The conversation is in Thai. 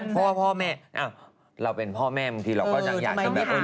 เพราะว่าพ่อแม่เราเป็นพ่อแม่บางทีเราก็ยังอยากจะแบบ